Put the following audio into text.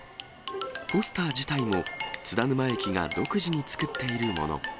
ポスター自体も津田沼駅が独自に作っているもの。